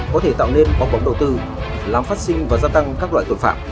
có thể tạo nên bóc bóng đầu tư làm phát sinh và gia tăng các loại tội phạm